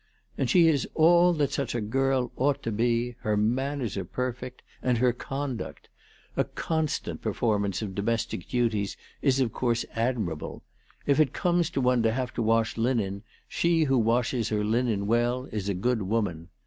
" And she is all that such a girl ought to be. Her manners are perfect, and her conduct. A constant performance of domestic duties is of course admirable. If it comes to one to have to wash linen, she who washes her linen well is a good woman.